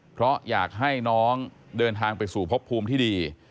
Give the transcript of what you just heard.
เพราะอยากให้น้องเดินทางไปสู่พบภูมิที่ดี